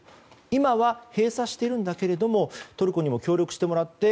今は閉鎖しているがトルコにも協力してもらって